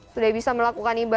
sudah bisa melakukan ibadah